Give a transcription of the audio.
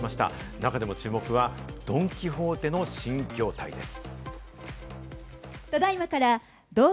中でも注目はドン・キホーテの新業態です。